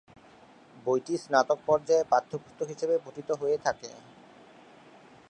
বইটি স্নাতক পর্যায়ে পাঠ্যপুস্তক হিসেবে পঠিত হয়ে থেকে।